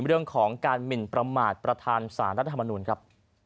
เรื่องของการหมินประมาทประธานสารรัฐธรรมนุนครับ